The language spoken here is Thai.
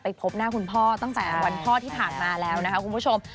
พบหน้าคุณพ่อตั้งแต่วันพ่อที่ผ่านมาแล้วนะคะคุณผู้ชม